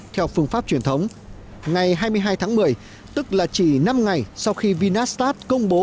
theo phương pháp truyền thống ngày hai mươi hai tháng một mươi tức là chỉ năm ngày sau khi vinastat công bố